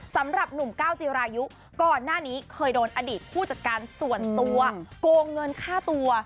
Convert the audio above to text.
สำหรับหนุ่มก้าวจีรายุก่อนหน้านี้เคยโดนอดีตผู้จัดการส่วนตัวโกงเงินค่าตัว